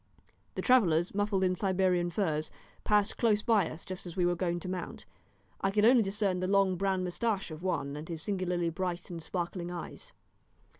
The travellers, muffled in Siberian furs, passed close by us just as we were going to mount. I could only discern the long brown moustache of one, and his singularly bright and sparkling eyes.